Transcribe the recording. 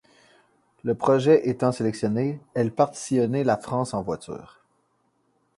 Le projet étant sélectionné, elles partent sillonner la France en voiture.